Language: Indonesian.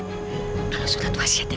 kalau surat wasiatnya disini